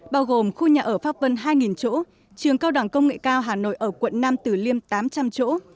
bao gồm khu nhà ở pháp vân hai chỗ trường cao đẳng công nghệ cao hà nội ở quận nam tử liêm tám trăm linh chỗ